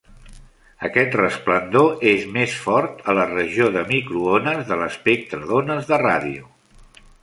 Aquest resplendor és més fort a la regió de microones de l'espectre d'ones de ràdio.